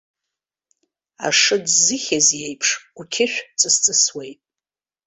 Ашыӡ зыхьыз иеиԥш, уқьышә ҵыс-ҵысуеит.